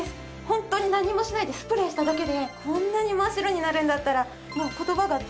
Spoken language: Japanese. ホントに何もしないでスプレーしただけでこんなに真っ白になるんだったらもう言葉が出ないです。